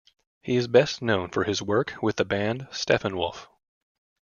He is best known for his work with the band Steppenwolf.